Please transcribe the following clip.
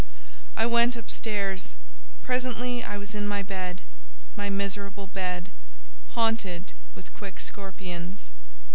I went up stairs. Presently I was in my bed—my miserable bed—haunted with quick scorpions.